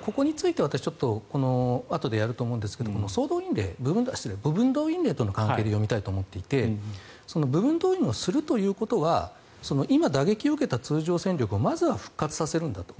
ここについては、私ちょっとあとでやると思うんですが部分動員令との関係で読みたいと思っていて部分動員をするということは今、打撃を受けた通常戦力をまずは復活させるんだと。